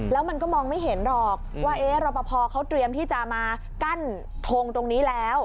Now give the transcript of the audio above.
แล้วมันก็มองไม่เห็นหรอกว่ารอปภเขาเตรียมที่จะมากั้นทงตรงนี้แล้ว